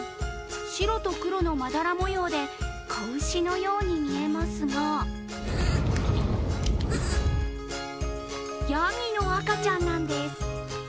白と黒のまだら模様で子牛のように見えますがやぎの赤ちゃんなんです。